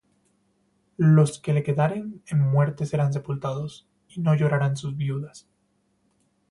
Los que le quedaren, en muerte serán sepultados; Y no llorarán sus viudas.